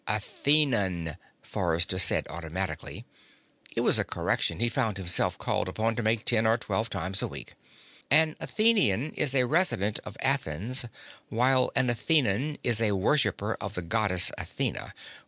"Athenan," Forrester said automatically. It was a correction he found himself called upon to make ten or twelve times a week. "An Athenian is a resident of Athens, while an Athenan is a worshipper of the Goddess Athena.